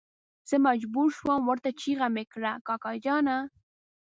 زه مجبور شوم ورته چيغه مې کړه کاکا جانه.